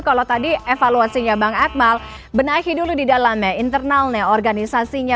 kalau tadi evaluasinya bang akmal benahi dulu di dalamnya internalnya organisasinya